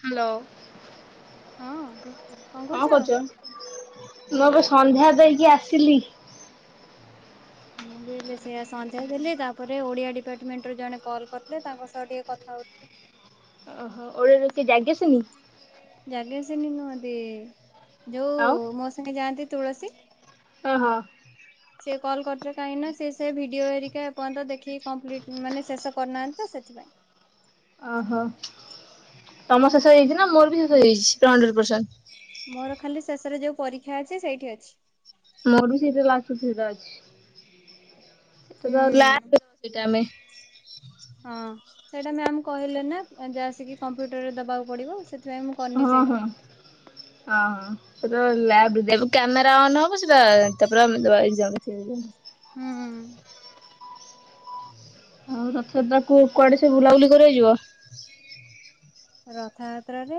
Hello ହଁ କଣ କରୁଛ? ମୁଁ ଏବେ ସନ୍ଧ୍ୟା ଦେଇକି ଆସିଲି। ମୁଁ ବି ହେଲେ ସେୟା ସନ୍ଧ୍ୟା ଦେଲି ତାପରେ ଓଡିଆ ଡିପାର୍ଟମେଣ୍ଟ ରୁ ଜଣେ କଲ୍ କରିଥିଲେ ତାଙ୍କ ସହ ଟିକେ କଥା ହଉଥିଲି। ଓହୋ ଓ [inaudible] କିଏ ଯଜ୍ଞାସିନି? ଯଜ୍ଞାଶିନି ନୁହଁନ୍ତି ଯଉ ଆଉ ମୋ ସାଙ୍ଗେ ଯାଆନ୍ତି ତୁଳସୀ ଅହୋ। ସେ କଲ୍ କରିଥିଲେ କାହିଁକି ନା ସେ ସେ ଭିଡିଓ ହେରିକା ଏ ପର୍ଯ୍ୟନ୍ତ ଦେଖିକି କମ୍ପ୍ଲିଟି ମାନେ ଶେଷ କରିନାହାନ୍ତି ସେଥିପାଇଁ। ଓହୋ ତମ ଶେଷ ହେଇଯାଇଛି ନା ମୋର ବି ଶେଷ ହେଇଛି ହଣ୍ଡେଡ ପରସେଣ୍ଟ। ମୋର ଖାଲି ଶେଷରେ ଯୋଉ ପରୀକ୍ଷା ଅଛି ସେଇଠି ଅଛି। ମୋର ବି ସେଇଟା ଲାଷ୍ଟ ଥ୍ରି ଟା ଅଛି ହୁଁ। ଲାଷ୍ଟ ସେଟା ଆମେ ହଁ ସେଇଟା ମ୍ୟାାମ କହିଲେ ନା ଯା ଆସିକି କମ୍ପ୍ୟୁଟରରେ ଦବାକୁ ପଡିବ ସେ ହଁ ହଁ ହ ହ। କ୍ୟାମେରା ଅନ ହବ ସେଟା ତା ପରେ ଦେବ ଏକ୍ସାମ୍। ହୁଁଁ ହୁଁ ହୁଁ। ଆଉ ରଥ ଯାତ୍ରା କୁ କୁଆଡେ ସବୁ ବୁଲାବୁଲି କରିଯିବ। ରଥଯାତ୍ରାରେ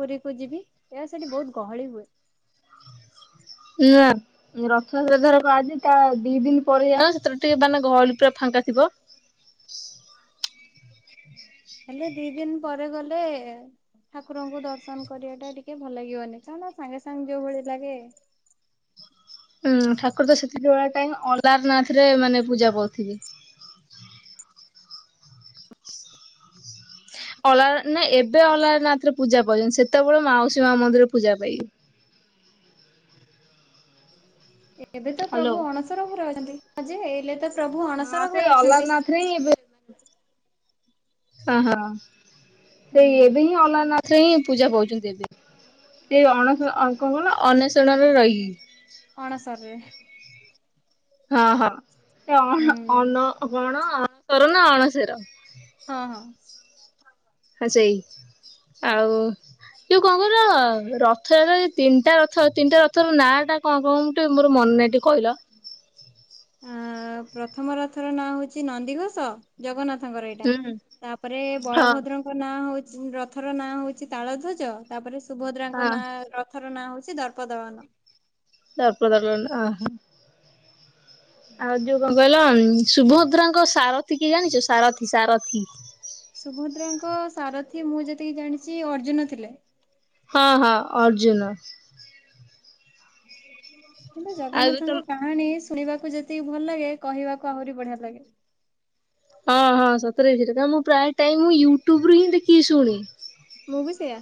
ପୁରୀ କୁ ଯିବି ଏ ସେଠି ବହୁତ ଗହଳି ହୁଏ। ନାଁ। ରଥଯାତ୍ରା ଧରକ ଆଜି ତା ଦି ଦିନ ପରେ ଯ ସେଥିରେ ଟିକେ ମାନେ ଗହଳି ପୁରା ଫାଙ୍କା ଥିବ ହେଲେ ଦି ଦିନ ପରେ ଗଲେ ଠାକୁରଙ୍କୁ ଦର୍ଶନ କରିବା ଟା ଟିକେ ଭଲ ଲାଗିବନି ତା ମାନେ ସାଙ୍ଗେ ସାଙ୍ଗେ ଯୋଉ ଭଳି ଲାଗେ। ହୁଁ ଠାକୁର ତ ସେତିକି ବଳେ ଟାଇମ୍ ଅଲାରନାଥ ରେ ମାନେ ପୂଜା ପାଉଥିବେ। ଅଲ ନା ଏବେ ଅଲାରନାଥ ରେ ପୂଜା ପାଉଛନ୍ତି ସେତେବେଳେ ମାଉସୀ ମା ମନ୍ଦିରରେ ପୂଜା ପାଇ ଏବେ ତ ହ୍ୟାଲୋ ପ୍ରଭୁ ଅଣସର ଘରେ ଅଛନ୍ତି ଯେ ଏଇଲେ ତ ପ୍ରଭୁ ଅଣସର ଘରେ ଅଛନ୍ତି। ସେ ଏବେ ହ ହଁ ସେଇ ହୁଁ ଏବେ ହିଁ ଅଲର ନାଥ। ସେ ହିଁ ପୂଜା ପାଉଛନ୍ତି ଏବେ ସେ ଅଣସର ନା ଅନନ୍ଷଣରେ ରହିକି। ଅଣସରରେ ହଁ ହଁ ସେ ଅଣ ହୁଁ ଅନ କଣ ଅଣସର ନା ଅଣସର। ହଁ ହଁ। ହଁ ସେଇ ଆଉ ଯଉ କଣ କହିଲ ରଥ ତିନିଟା ରଥ ତିନିଟା ରଥର ନାଁ ଟା କଁ କଣ ଟିକେ ମୋ ମନ ନାହିଁ ଟିକେ କହିଲ? ପ୍ରଥମ ରଥର ନାଁ ହଉଛି ନନ୍ଦିଘୋଷ। ଜଗନ୍ନାଥଙ୍କର ଏଇଟା, ହୁଁ ତାପରେ ହଁ ବଳଭଦ୍ର ନାଁ ହଉ ରଥର ନାଁ ହଉଛି ତାଳ ଧ୍ୱଜ, ତାପରେ ସୁଭଦ୍ରାଙ୍କ ହଁ ନାଁ ରଥ ର ନାଁ ହଉଛି ଦର୍ପଦଳନ। ତାପରେ ଅ ହ ଆଉ ଯୋଉ କହିଲ ସୁଭଦ୍ରାଙ୍କ ସାରଥିୀ କିଏ ଜାଣିଛ ସାରଥିୀ ସାରଥିୀ? ସୁଭଦ୍ରାଙ୍କ ସାରଥିୀ ମୁଁ ଯେତିକି ଜାଣିଛି ଅର୍ଜୁନ ଥିଲେ। ହଁ ହଁ ଅର୍ଜୁନ। କିନ୍ତୁ ଆଉ ବି ତ ଜଗନ୍ନାଥଙ୍କ କାମ କାଣ ଟିକେ ଶୁଣିବାକୁ ଯେତିକି ଭଲ ଲାଗେ କହିବାକୁ ଆହୁରି ବଢିଆ ଲାଗେ। ହଁ ହଁ ସତରେ ଯେତ ମୁଁ ପ୍ରାୟ ଟାଇମ ମୁଁ ୟୁଟୁବ ରୁ ହିଁ ଦେଖିକି ଶୁଣି ମୁଁ ବି ସେଆ।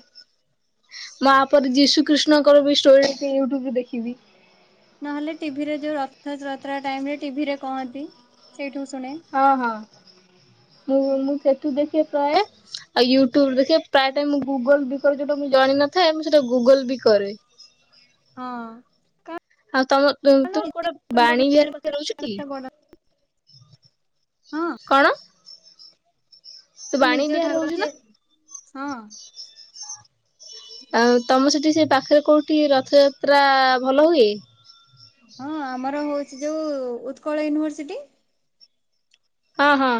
ମାପଦ ଯୀଶୁ କ୍ରୀଷ୍ଣଙ୍କର ବି ଷ୍ଟୋରି ଟିକ ୟୁଟ୍ୟୁବ ରୁ ଦେଖିବି। ନହେଲେ ଟିଭିରେ ଯୋଉ ରଥଯାତ୍ରା ଟାଇମରେ ଟିଭିରେ କହନ୍ତି ସେଇଠୁ ଶୁଣେ। ହଁ ହଁ ମୁଁ ମୁଁ ସେଠୁ ଦେଖି ପ୍ରାୟ ଆଉ ୟୁ ଟୁବରୁ ଦେଖେ ପ୍ରାୟ ଟାଇମ ମୁଁ ଗୁଗଲ ବି କରେ ଯଉଟା ମୁଁ ଜଣିନଥାଏ ମୁଁ ସେଇଟା ଗୁଗଲ ବି କରେ। ହଁ। ଆଉ ତମ ତୋ ଗୋଟେ ବାଣୀ ବିହାର ପାଖରେ ରହୁଚୁ ଟି? ବଡ ହଁ। ତୁ ବାଣୀ ନିଜ ବିହାର ଠାକୁର ରହୁଛୁ ନା? ଯିଏ ହଁ। ଆଉ ତମ ସେଠି ସେ ପାଖରେ କୋଉଠି ରଥଯାତ୍ରା ଭଲ ହୁଏ? ହଁ ଆମର ହଉଛି ଯୋଉ ଉତ୍କଳ ୟୁନିଭରସିଟି ହଁ ହଁ।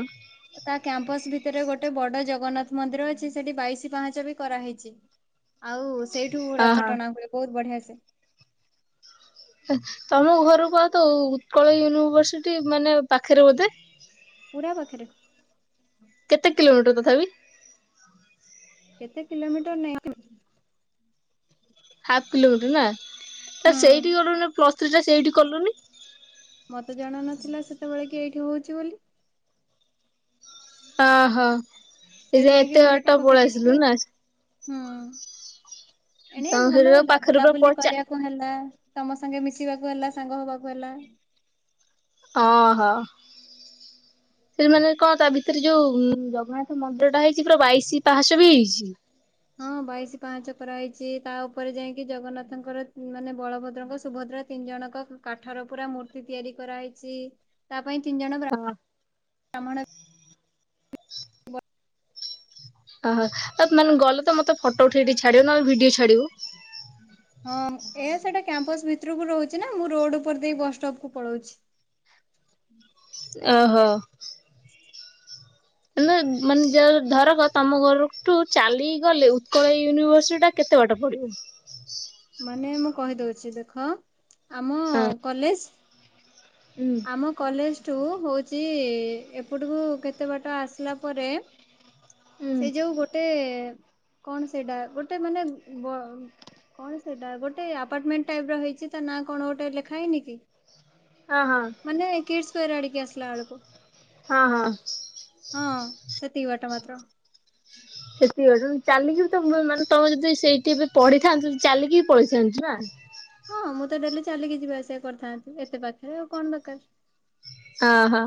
ତା କ୍ୟାମ୍ପସ ଭିତରେ ଗୋଟେ ବଡ ଜଗନ୍ନାଥ ମନ୍ଦିର ଅଛି ସେଠି ବାଇଶି ପାହାଚ ବି କରାହେଇଛି। ଆଉ ସେଇଠୁ ଅ ରଥ ହଁ। ଟଣା ହୁଏ ବହୁତ ବଢିଆ ସେ। ତମ ଘରକୁ ଆ ତ ଉତ୍କଳ ୟୁନିଭରସିଟି ମାନେ ପାଖରେ ବୋଧେ? ପୁରା ପାଖରେ। କେତେ କିଲୋମିଟର ତଥାପି? କେତେ କିଲୋମିଟର ନାହିଁ ହାଫ କିଲୋମିଟର ନା ହୁଁ। ସେଇଠି ଗଲୁନି ପ୍ଲସ ଥ୍ରୀ ଟା ସେଇଠି କଲୁନି? ମତେ ଜଣା ନଥିଲା ସେତେବେଳେ କି ଏଇଠି ହଉଛି ବୋଲି? ଅହୋ ଏ ଯୋଉ ସେଇଥିପାଇଁ କି ଏତେ ମୁଁ ଏଇଟା ବାଟ ପକେଇ ଦେଇଥିଲି ପଳେଇଆସିଲୁ ନା? ଆଉ। ହୁଁ ଏଣେଇ ତମ ସେଠି ଭଲ ତ ହେଲା ପାଖରେ ପୁରା ବୁଲାବୁଲି ପଚା କରିବାକୁ ହେଲା ତମ ସାଙ୍ଗେ ମିଶିବାକୁ ହେଲା ସାଙ୍ଗ ହବାକୁ ହେଲା। ଓହୋ। ସେ ମାନେ କଣ ତା ଭିତରେ ଯୋଉ ଜଗନ୍ନାଥ ମନ୍ଦିର ଟା ହେଇଛି ପୁରା ବାଇଶି ପାହାସ ବି ହେଇଛି? ହଁ ବାଇଶି ପାହାଚ କରାହେଇଛି ତା ଉପରେ ଯାଇକି ଜଗନ୍ନାଥଙ୍କର ମାନେ ବଳଭଦ୍ରଙ୍କ ସୁଭଦ୍ରା ତିନି ଜଣଙ୍କ କାଠର ପୁରା ମୂର୍ତ୍ତି ତିଆରି କରାହେଇଛି। ତା ପାଇଁ ତିନି ଜଣ ବ୍ରା ହଁ ବ୍ରାହ୍ମଣ ଓହୋ, ଏ ମାନେ ଗଲେ ତ ମୋତେ ଫଟୋ ଉଠେଇ ଦେଇ ଛାଡିବ ନହେଲଃ ଭିଡିଓ ଛାଡ଼ିବୁ। ହଁ ଏ ସେଇଟା କ୍ୟାମ୍ପସ୍ ଭିତରକୁ ରହୁଚି ନା, ମୁଁ ରୋଡ୍ ଉପର ଦେଇ ବସ୍ ଷ୍ଟପ୍ କୁ ପଳଉଛି। ଓହୋ, ନେ-ମାନେ ଯାର ଧରକ ତୋମ ଘରଠୁ ଚାଲିକି ଗଲେ ଉତ୍କଳ ୟୁନିଭର୍ସିଟି ଟା କେତେ ବାଟ ପଡିବ? ମାନେ ମୁଁ କହିଦଉଛି ଦେଖ ଆମ ହଁ। କଲେଜ୍ ହୁଁ। ଆମ କଲେଜ ଠୁ ହଉଚି ଏପଟକୁ କେତେ ବାଟ ଆସିଲା ପରେ ହୁଁ ସେଇ ଯୋଉ ଗୋଟେ କଣ ସେଇଟା? ଗୋଟେ ମାନେ ବ କଣ ସେଇଟା ଗୋଟେ ଆପାର୍ଟମେଣ୍ଟ ଟାଇପ୍ ର ହେଇଚି ତା ନାଁ କଣ ଗୋଟେ ଲେଖା ହେଇନି କି? ଓ ହଁ। ମାନେ କିଡ୍ସ ସ୍କୋୟାର ଆଡିକି ଆସିଲ ବେଳକୁ। ହଁ, ହଁ। ହଁ ସେତିକି ବାଟ ମାତ୍ର। ସେତିକି ବାଟ, ଚାଲିକି ବି ତୋମେ ମାନେ ତୋମେ ଯଦି ସେଇଠି ଏବେ ପଢିଥାନ୍ତୁ ଚାଲିକି ପଳେଇଥାନ୍ତୁ ନା? ହଁ ମୁଁ ତ ଡେଲି ଚାଲିକି ଯିବା ଆସିବା କରିଥାନ୍ତି ଏତେ ପାଖରେ ଆଉ କଣ ଦରକାର। ଓହୋ।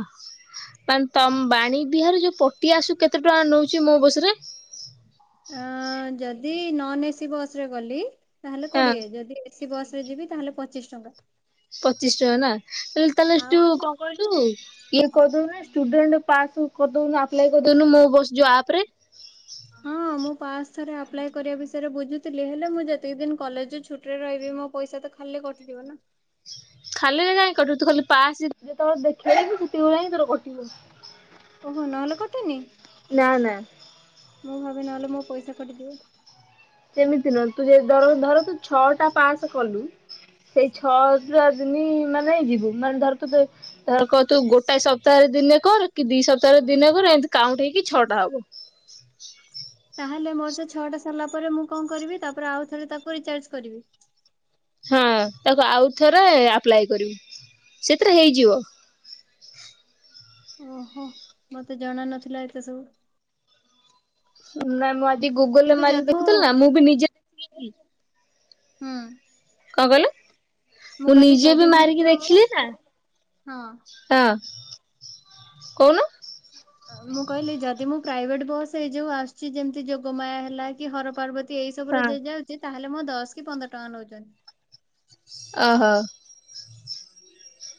ମାନ ତୋମ ବାଣୀ ବିହାର ଯୋଉ ପଟିଆ ଆସୁ କେତେ ଟଙ୍କା ନଉଚି ମୋ ବସ୍ ରେ? ଅ, ଯଦି ନନ୍ ଏସି ବସ୍ ରେ ଗଲି ତାହେଲେ ହଁ କୋଡିଏ, ଯଦି ଏସି ବସ୍ ରେ ଯିବି ତାହେଲେ ପଚିଶ ଟଙ୍କା। ପଚିଶି ଟଙ୍କା ନା? ମୁଁ କହିଲି ତାହେଲେ ତୁ ଆଉ କ କହିଲୁ ଇଏ କରଦଉନ ଷ୍ଟୁଡେଣ୍ଟ ପାସ୍ ବୁକ୍ କରଦଉନ ଆପ୍ କରଦଉନୁ ମୋ ବସ୍ ଯୋଉ ଆପ୍ ରେ। ହଁ ମୁଁ ପାସ୍ ଥରେ ଆପ୍ଲାଏ କରିବା ବିଷୟରେ ବୁଝୁଥିଲି, ହେଲେ ମୁଁ ଯେତିକି ଦିନ କଲେଜ୍ ଛୁଟିରେ ରହିବି ମୋ ପଇସା ତ କ ଖାଲି କଟିଯିବ ନା। ଖାଲିରେ କାଇଁ କଟୁ ତୁ ଖାଲି ପାସ୍ ଯେ- ଯେତଳେ ଦେଖିଇବୁ ସେତେବେଳେ ଯାଇକି ତୋର କଟିବ। ଓହୋ! ନହେଲେ କଟେନି? ନା, ନା। ମୁଁ ଭାବି ନଲେ ମୋ ପଇସା କଟିଯିବ। ସେମିତି ନୁହଁ, ତୁ ଯେ ଦର ଧର ତୁ ଛଅଟା ପାସ୍ କଲୁ। ସେଇ ଛଅ ଟା ଦିନି ମାନେ ଯିବୁ, ମାନେ ଧର ତୁ ଯେ ତୋର କଅ ତୁ ଗୋଟାଏ ସପ୍ତାହରେ ଦିନେ କର, କି ଦି ସପ୍ତାହରେ ଦିନେ କର, ଏମିତି କାଉଣ୍ଟ ହେଇକି ଛଅଟା ହବ। ତାହେଲେ ମୋର ସେ ଛଅଟା ସରିଲା ପରେ, ମୁଁ କଣ କରିବି ତାପରେ ଆଉ ଥରେ ତାକୁ ରିଚାର୍ଜ କରିବି? ହଁ ତାକୁ ଆଉଥରେ ଆପ୍ଲାଏ କରିବୁ, ସେଥିରେ ହେଇଯିବ। ଓହୋ! ମୋତେ ଜଣା ନଥିଲା ଏତେ ସବୁ। ନା ମୁଁ ଆଜି ଗୁଗୁଲ୍ ରେ କିନ୍ତୁ ମାରିକି ଯଦି ଦେଖୁଥିଲି ନା ମୁଁ ବି ନିଜେ ଦେଖିଲି ହୁଁ। କଣ କହିଲୁ? ମୁଁ ହଁ କହିଲି ଯଦି ମୁଁ କିନ୍ତୁ ହଁ। କହୁନୁ। ହଁ। ମୁଁ କହିଲି ଯଦି ମୁଁ ପ୍ରାଇଭେଟ୍ ବସ୍, ଏଇ ଯୋଉ ଆସୁଚି ଯେମିତି ଯୋଗମାୟା ହେଲା କି ହର ପାର୍ବତ ତୀ ଏଇ ହଁ। ସବୁରେ ଯଦି ଯାଉଚି, ତାହେଲେ ମୋ ଦଶ କି ପନ୍ଦର ଟଙ୍କା ନଉଚନ୍ତି। ଓହୋ!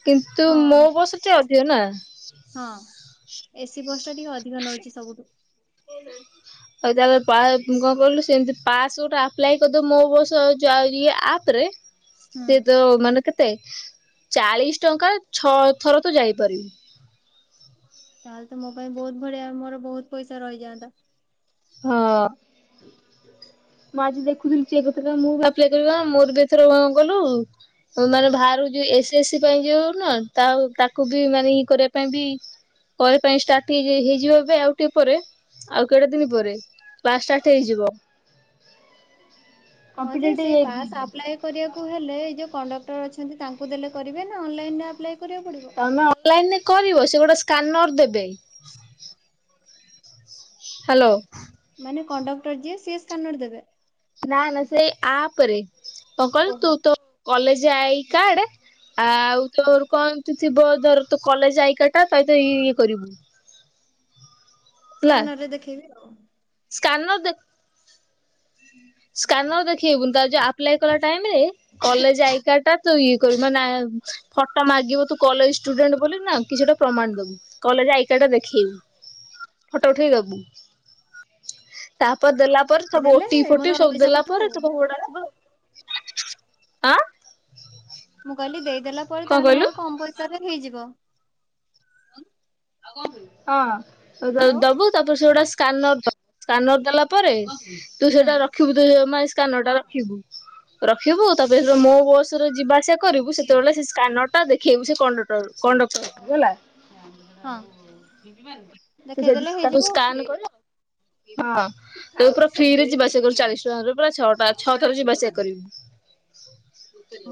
କିନ୍ତୁ ହଁ ମୋ ବସ୍ ରେ ଟିକେ ଅଧିକ ନା? ହଁ ଏସି ବସ୍ ଟା ଟିକେ ଅଧିକ ନଉଛି ସବୁଠୁ। ଆଉ ତାଲେ ପା କଣ କହିଲୁ, ସେମତି ପାଶ୍ ଗୋଟେ ଆପ୍ଲାଇ କରିଦବୁ ମୋ ବସ ଜୋ ଇଏ ଆପ୍ ରେ ହୁଁ। ସିଏ ତୋ ମାନେ କେତେ ଚାଳିଶ ଟଙ୍କା ଛଅ ଥର ତୁ ଯାଇପାରିବୁ। ତାହେଲେ ତ ମୋ ପାଇଁ ବହୁତ ବଢ଼ିଆ, ମୋର ବହୁତ ପଇସା ରହିଯାଆନ୍ତା। ହଁ। ମୁଁ ଆଜି ଦେଖୁଥିଲି ଚେକ୍ କରୁଥି ମୁଁ ବି ଆପ୍ଲାଏ କରିବା। ମୋର ବି ଏଥର କଣ କହିଲୁ ଉ ମାନେ ବାହାରୁ ଯୋଉ, ଏସ ଏ ସି ପାଇଁ ଯୋଉ ନୁହଁ ତା ତାକୁ ବି ମାନେ ଇ କରିବା ପାଇଁ ବି କରିବା ପାଇଁ ଷ୍ଟାର୍ଟ ହେଜେ ହେଇଯିବ ଏବେ, ଆଉ ତିକେପରେ ପରେ ଆଉ କେଡ଼େ ଦିନ ପରେ କ୍ଲାସ ଷ୍ଟାର୍ଟ ହେଇଯିବ। ହ ଯେ କମ୍ପିଟେଟିଭ୍ ସେଇ ପାସ ଏକ୍ଜାମ ଆପ୍ଲାଏ କରିବାକୁ ହେଲେ, ଏଇ ଯୋଉ କଣ୍ଡକ୍ଟର ଅଛନ୍ତି ତାଙ୍କୁ ଦେଲେ କରିବେ ନା ଅନଲାଇନ୍ ରେ ଆପ୍ଲାଏ କରିବାକୁ ପଡ଼ିବ? ତମେ ଅନଲାଇନ୍ ରେ କରିବ ସେ ଗୋଟେ ସ୍କାନର ଦେବେ। ହ୍ୟାଲୋ। ମାନେ କଣ୍ଡକ୍ଟର ଯିଏ ସିଏ ସ୍କାନର ଦେବେ? ନା ନା ସେଇ ଆପରେ, କଣ କଇଲୁ ତୁ ଓହୋ। ତୋ କଲେଜ ଆଇ କାଡ଼ ଆ ଆଉ ତୋର କଣ ତୁ ଥିବ ଧର ତୋ କଲେଜ ଆଇକାର୍ଡ ଟା ତା ତ ଇ ଇ କରିବୁ। ସ୍କାନର ରେ ଦେଖେଇବି ଆଉ। ସ୍କାାନର ଦେ ସ୍କାନର ଦେଖେଇବୁନି ତାର ଯୋଉ ଆପ୍ଲାଏ କଲା ଟାଇମଇରେ କଲେଜ ଆଇକାର୍ଡଟା ତୁ ଇଏ କରିବୁ, ମାନେ ଫଟ ମାଗିବ ତୁ କଲେଜ ଷ୍ଟୁଡେଣ୍ଟ ବୋଲି ନା କିଛି ଗୋଟେ ପ୍ରମାଣ ଦବୁ କଲେଜ ଆଇକାର୍ଡ ଦେଖେଇବୁ ଫଟୋ ଉଠେଇକିଦବୁ। ତାପ ଦେଲା ଜି ଦେଲେ ଟି ଫଟି ସବୁ ଦେଲା ପରେ [unintelligible] ଆ ମୁଁ କହିଲି ଦେଇଦେଲା କଣ କହିଲୁ? ହଁ ଅ ହ୍ୟାଲୋ ଦବୁ ତାପରେ ସେ ଗୋଟେ ସ୍କାନର ଦବ ସ୍କାନର ଦେଲା ପରେ ତୁ ହୁଁ ସେଇଟା ରଖିବୁ ତୁ ମାନେ ସ୍କାନର ଟା ରଖିବୁ। ହଁ। ରଖିବୁ ତାପରେ ସେତ ମୋ ବସରେ ଯିବା ଆସିବା କରିବୁ। ସେତେବେଳେ ସେ ସ୍କାନର ଟା ଦେଖେଇବୁ ସେ କଣ୍ଡକ୍ଟର କଣ୍ଡକ୍ଟର ହେଲା। ହଁ। ସେ ସେଇଠି ଦେଖେଇଦେଲେ ତାକୁ ହେଇଯିବ ଆଉ। ସ୍କାନ କରିବ ହଁ ତ ପୁରା ଫ୍ରି ରେ ଯିବା ଆସିବା କରିବୁ ଚାଳିଶ ଟଙ୍କା ପରା ଛଅଟା ଛଅ ଥର ଯିବା ଆସିବା କରିବୁ।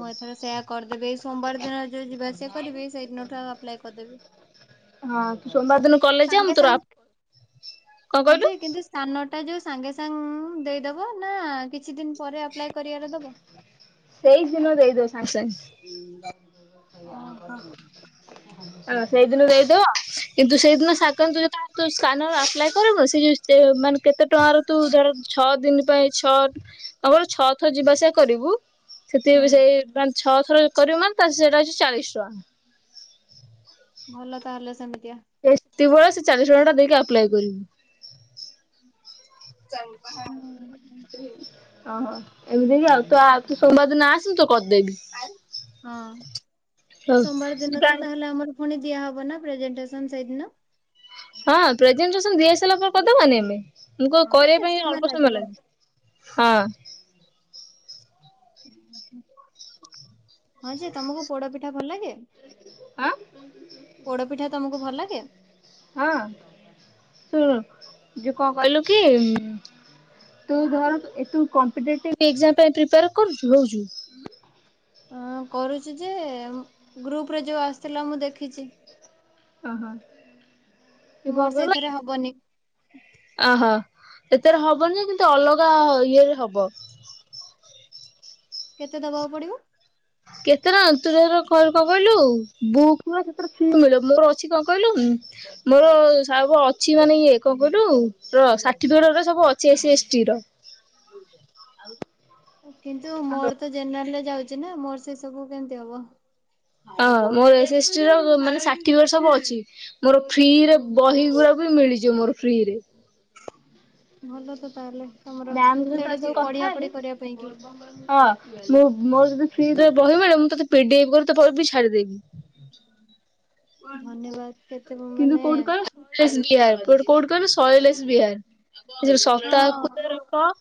ମୁଁ ଏଥର ସେୟା କରିଦେବି। ଏଇ ସୋମବାର ଦିନ ଯୋଉ ଯିବା ସେ କରିବି ସେଇଦିନଠୁ ଆଉ ଆପ୍ଲାଏ କରିଦେବି। ହଁ ତୁ ସୋମବାର ଦିନ କଲେଜ ଯା ସାଙ୍ଗେ ମୁଁ ତୋର ଆପ୍ ସାଙ୍ଗ କଣ କହିଲୁ? ସ୍କାନର୍ ଟା ଯୋଉ ସାଙ୍ଗେ ସାଙ୍ଗେ ଦେଇଦବ, ନା କିଛି ଦିନ ପରେ ଆପ୍ଲାଏ କରିବାର ଦବ? ସେଇ ଦିନ ଦେଇଦବ ସାଙ୍ଗ ସାଙ୍ଗ। ଓହୋ। ହଁ ସେଇଦିନ ଦେଇଦବ। କିନ୍ତୁ ସେଇଦିନ [unintelligible] ସ୍କାନର ଆପ୍ଲାଏ କରିବ ସେ ଜଉ ଚେ ମାନେ କେତେ ଟଙ୍କାର ତୁ ଧର ଛଅ ଦିନ ପାଇଁ ଛଅ କେବଳ ଛଅ ଥର ଯିବା ଆସିବା କରିବୁ ସେଥି ହୁଁ ବି ସେଇ ମାନେ ଛଅ ଥର କରିବୁ ମାନେ ତାର ସେଇଟା ଅଛି ଚାଳିଶ ଟଙ୍କା। ଭଲ ତାହେଲେ ସେମିତିଆ। ସେତିକି ବେଳେ ସେ ଚାଳିଶ ଟଙ୍କା ଟା ଦେଇକି ଆପ୍ଲାଏ କରିବୁ। ହୁଁ। ଓହୋ ଏମିତି କି ଆଉ କା ତୁ ସୋମବାର ଦିନ ଆସ ମୁଁ ତୋର କରିଦେବି। ହଁ। ସୋମବାର ଦିନ ତ ତାହେଲେ ଆମର ପୁଣି ଦିଆହବ ନା ପ୍ରେଜେଣ୍ଟେସନ ସେଇଦିନ? ହଁ। ପ୍ରେଜେଣ୍ଟେସନ ଦିଆହେଇସାରିଲାପରେ କରିଦବାନି ଆମେ। ହଁ କରିବା କେତେ ପାଇଁ ଅଳ୍ପ ସମୟ ଲାଗିବ ଲାଗେ। ହଁ। ହଁ ଯେ ତମକୁ ପୋଡ ପିଠା ଭଲ ଲାଗେ? ଆଁ? ପୋଡ ପିଠା ତମକୁ ଭଲ ଲାଗେ? ହଁ। ଶୁଣୁ ଯେ କଣ କହିଲୁ କି ତୁ ଧର ଏ ତୁ କମ୍ପିଟେଟିଭ ଏଜ୍ଜାମ୍ ପାଇଁ ପ୍ରିପାର୍ କରୁଚୁ ହଉଚୁ? ଅଁ କରୁଚି ଯେ ଗ୍ରୁପ ରେ ଯୋଉ ଆସିଥିଲା ମୁଁ ଦେଖିଚି। ଅ ହଁ। ମୋର ସେଇଥିରେ ହବନି। ଓ ହ। ଏଥେରେ ହବନି ଯେ କିନ୍ତୁ ଅଲଗା ଇଏ ରେ ହବ। କେତେ ଦବାକୁ ପଡିବ? କେତେ ଟଙ୍କା ତୁ ଧର କଣ କହିଲୁ ବୁକ୍ ଗୁରା ସେଥିରେ ଫ୍ରି ମିଳିବ। ମୋର ଅଛି କଣ କହିଲୁ ମୋର ସବୁ ଅଛି ମାନେ ଇଏ କଣ କହିଲୁ ର ସାର୍ଟିଫିକେଟ ରା ସବୁ ଅଛି ଏସି ଏସ୍ ଟି ର। [inaudible] କିନ୍ତୁ ମୋର ତ ଜେନେରାଲରେ ଯାଉଚି ନା, ମୋର ସେ ସବୁ କେମିତି ହବ। ହଁ। ମୋର ଏସି ଏସ୍ ଟି ର ମାନେ ସାର୍ଟିଫିକେଟ ସବୁ ଅଛି। ମୋର ଫ୍ରିରେ ବହି ଗୁରା ବି ମିଳିଯିବ ମୋର ଫ୍ରି ରେ। ଭଲ ତ ତାହେଲେ ତମର। ମ୍ୟାମଙ୍କ ସହିତ ସେଇଟା ଆଜି ସବୁ କଥା ପଢିଆ ହେଲି ପଢି କରିବା ପାଇଁ କି। ହଁ। ମୁଁ ମୋର ଯଦି ଫ୍ରି ରେ ବହିିମିଳିବ ମୁଁ ତୋତେ ପିଡି ଏଫ୍ କରିକି ବି ତୋ ପାଖକୁ ଛାଡିଦେବି। [inaudible] ଧନ୍ୟବାଦ୍। କେ କିନ୍ତୁ କୋଉଠି କହିଲ [unintelligible] କୋଉଠି କହିଲ ଶୈଳେଶ ବିହାର। ଏ ଯଉ ସପ୍ତାହକୁ ହଁ [unintelligible]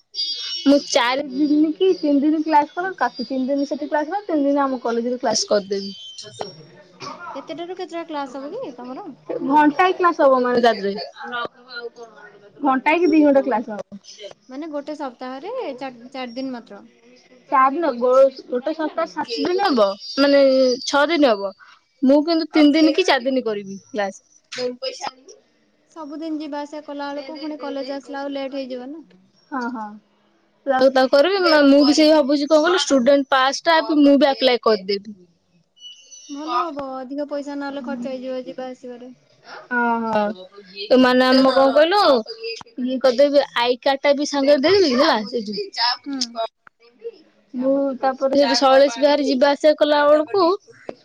ମୁଁ ଚାରି ଦିନି କି ତିନି ଦିନି କ୍ଲାସ୍ କଲେ କାଫି। ତିନି ଦିନେଇ ସେଠି କ୍ଲାସ୍ କଲି ତିନି ଦିନ ଆମ କଲେଜ୍ ରେ କ୍ଲାସ କରିଦେବି। କେତେଟା ରୁ କେତେଟା କ୍ଲାସ ହବ କି ତମର? ଘଣ୍ଟାଏ କ୍ଲାସ ହବ ଆମର [unintelligible] ଘଣ୍ଟାଏ କି ଦି ଘଣ୍ଟା କ୍ଲାସ ହବ। ମାନେ ଗୋଟେ ସପ୍ତାହରେ ଚା ଚାରି ଦିନି ମାତ୍ର। [unintelligible] ଗୋ ଗୋଟେ ସପ୍ତାହ ସାତ ଦିନ୍ ହବ। ମାନେ ଛଅ ଦିନ୍ ହବ। ମୁଁ କିନ୍ତୁ ତିନି ଦିନି କି ଚାରି ଦିନି କରିବି କ୍ଲାସ୍। ସବୁଦିନ୍ ଯିବା ଆସିବା କଲା ବେଳକୁ ଦେ ପୁଣି ଦେ ଦେ କଲେଜ ଆସିଲା କହୁନୁ ବେଳକୁ ଲେଟ୍ କହିଲୁ। ହେଇଯିବ ନା। ହଁ ହଁ। ତାକୁ କରିବି ନହେଲେ ମୁଁ ବି ସେଇ ଭାବୁଚି କଣ କହିଲୁ ଷ୍ଟୁଡେଣ୍ଟ ପାସ୍ ଟା ମୁଁ ବି ଆପ୍ଲାଏ କରିଦେବି। ହଁ ଭଲ ହବ। ଅଧିକ ପଇସା ନହେଲେ ଖର୍ଚ୍ଚ ହେଇଯିବ ଯିବା ଆସିବାରେ। ଅ ହ। ଏମାନେ ଆମ କଣ କହିଲୁ ମୁଁ କରିଦେବି। ଆଇ କାର୍ଡ ବି ସାଙ୍ଗରେ ଦେଇଦେବି ହେଲା, ସେଇଠି। ହୁଁ ମୁଁ ତାପରେ ଯଦି। [unintelligible] ବାହାରେ ଯିବା ଆସିବା କଲା ବେଳକୁ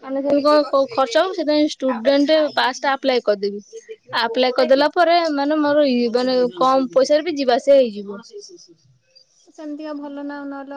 [unintelligible] କ କଣ ଖର୍ଚ୍ଚ ହବ, ସେଥିପାଇଁ ଷ୍ଟୁଡେଣ୍ଟ ପାସ୍ ଟା ଆପ୍ଲାଏ କରିଦେବି। ଆପ୍ଲାଏ କରିଦେଲା ପରେ ମାନେ ମୋର ଇ ମାନେ କମ୍ ପଇସାରେ ବି ଯିବା ଆସିବା ହେଇଯିବ। ସେମତି ଆଉ ଭଲ ନା ଆଉ। ନହେଲେ